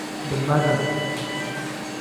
bilmadim...